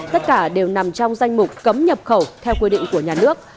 tất cả đều nằm trong danh mục cấm nhập khẩu theo quy định của nhà nước